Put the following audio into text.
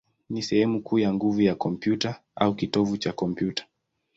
ni sehemu kuu ya nguvu ya kompyuta, au kitovu cha kompyuta.